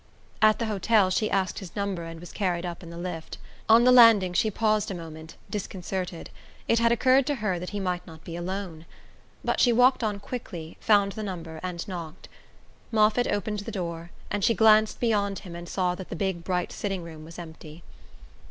At the hotel she asked his number and was carried up in the lift. On the landing she paused a moment, disconcerted it had occurred to her that he might not be alone. But she walked on quickly, found the number and knocked.... Moffatt opened the door, and she glanced beyond him and saw that the big bright sitting room was empty.